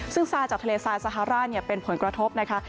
ซึ่งทรายจากทะเลทรายสฮาร่าเป็นผลกระทบนะคะ